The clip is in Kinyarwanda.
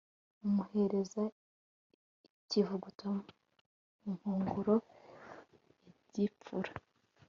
amuhereza ikivuguto mu nkongoro ya gipfura